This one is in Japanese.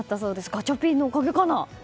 ガチャピンのおかげかな？